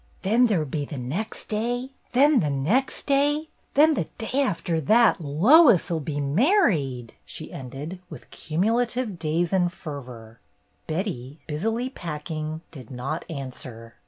"Then there 'll be the next day, then the next day, then the day after that Lois 'll be married !" she ended, with cumu lative days and fervor. Betty, busily packing, did not answer.